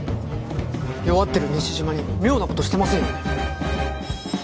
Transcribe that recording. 弱ってる西島に妙な事してませんよね？